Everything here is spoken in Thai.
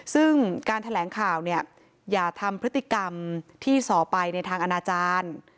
ซึ่งการแถลงข่าวเนี่ยอย่าทำพฤติกรรมที่ส่อไปในทางอนาจารย์